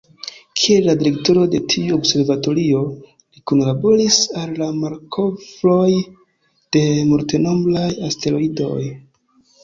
Kiel la direktoro de tiu observatorio, li kunlaboris al la malkovroj de multenombraj asteroidoj.